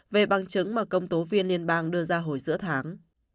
về bằng chứng mà công tố viên liên bang đưa ra hồi giữa tháng